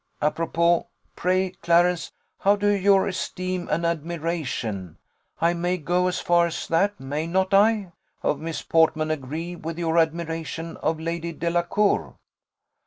Apropos; pray, Clarence, how do your esteem and admiration (I may go as far as that, may not I?) of Miss Portman agree with your admiration of Lady Delacour?"